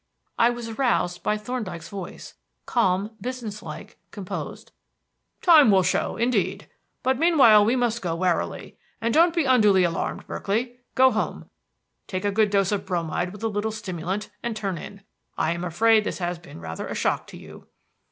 I was aroused by Thorndyke's voice calm, business like, composed: "Time will show, indeed! But meanwhile we must go warily. And don't be unduly alarmed, Berkeley. Go home, take a good dose of bromide with a little stimulant, and turn in. I am afraid this has been rather a shock to you."